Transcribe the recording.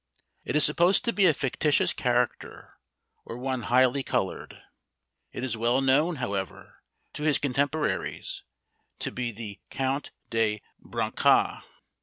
It is supposed to be a fictitious character, or one highly coloured. It was well known, however, to his contemporaries, to be the Count de Brancas.